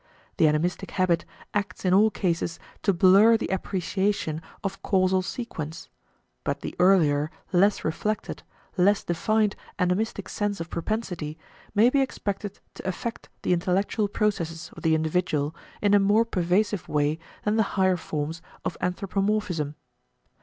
The animistic habit acts in all cases to blur the appreciation of causal sequence; but the earlier, less reflected, less defined animistic sense of propensity may be expected to affect the intellectual processes of the individual in a more pervasive way than the higher forms of anthropomorphism.